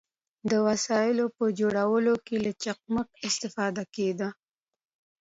د وسایلو په جوړولو کې له چخماق استفاده کیده.